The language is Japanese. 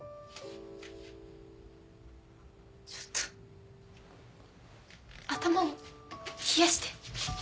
ちょっと頭を冷やして。